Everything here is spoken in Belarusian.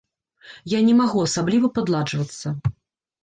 Я не магу асабліва падладжвацца.